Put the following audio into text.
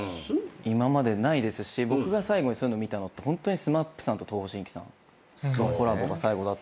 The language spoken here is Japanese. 今までないですし僕が最後にそういうの見たのってＳＭＡＰさんと東方神起さんのコラボが最後だったから。